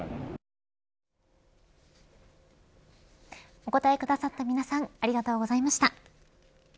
お答えくださった皆さんありがとうございました。